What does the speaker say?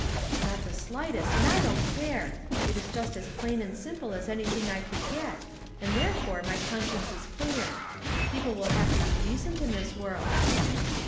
"'' Not the slightest, and I don't care. It is just as plain and simple as anything I could get, and therefore my conscience is clear. People will have to be decent in this world."